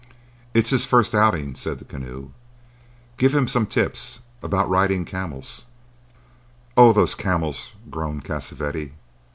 "It's his first outing," said the Keneu. "Give him some tips—about riding camels." "Oh, those camels!" groaned Cassavetti.